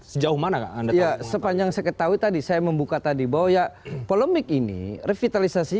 sejauh mana sepanjang saya ketahui tadi saya membuka tadi bahwa ya polemik ini revitalisasi